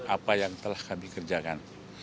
apa yang telah kami kerjakan